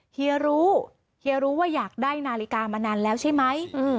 เฮียรู้เฮียรู้ว่าอยากได้นาฬิกามานานแล้วใช่ไหม